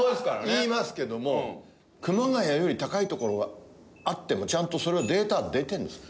言いますけども熊谷より高い所があってもちゃんとそれはデータ出てるんです。